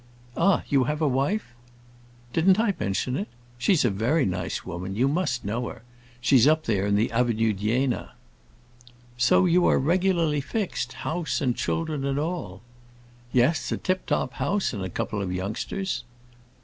"Ah, you have got a wife?" "Didn't I mention it? She's a very nice woman; you must know her. She's up there in the Avenue d'Iéna." "So you are regularly fixed—house and children and all." "Yes, a tip top house and a couple of youngsters."